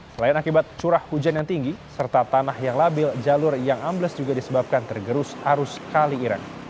selain akibat curah hujan yang tinggi serta tanah yang labil jalur yang ambles juga disebabkan tergerus arus kali irak